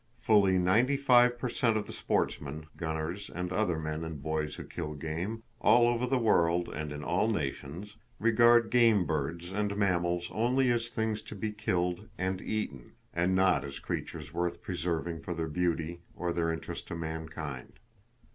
Fully ninety five per cent of the sportsmen, gunners and other men and boys who kill game, all over the world and in all nations, regard game birds and mammals only as things to be killed and eaten, and not as creatures worth preserving for their beauty or their interest to mankind.